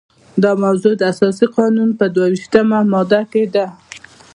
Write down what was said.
دا موضوع د اساسي قانون په دوه ویشتمه ماده کې ده.